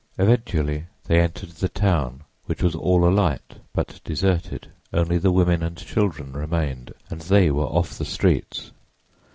Eventually they entered the town, which was all alight, but deserted; only the women and children remained, and they were off the streets.